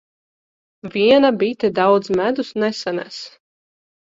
Viena bite daudz medus nesanes.